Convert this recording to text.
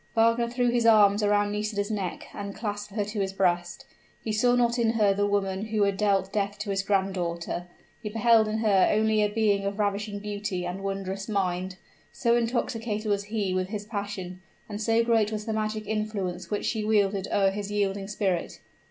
Wagner threw his arms around Nisida's neck, and clasped her to his breast. He saw not in her the woman who had dealt death to his granddaughter; he beheld in her only a being of ravishing beauty and wondrous mind, so intoxicated was he with his passion, and so great was the magic influence which she wielded o'er his yielding spirit.